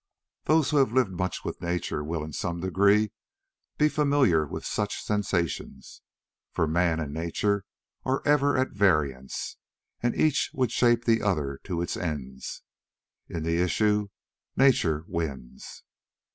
Those who have lived much with nature will in some degree be familiar with such sensations, for man and nature are ever at variance, and each would shape the other to its ends. In the issue nature wins.